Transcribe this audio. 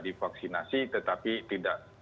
divaksinasi tetapi tidak